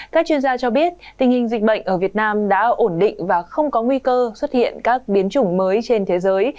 các chuyên gia cho biết tình hình dịch bệnh ở việt nam đã ổn định và không có nguy cơ xuất hiện các biến chủng mới trên thế giới